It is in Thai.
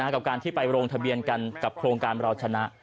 กับการที่ไปลงทะเบียนกันกับโครงการเราชนะ